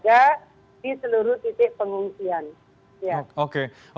di seluruh titik pengungsian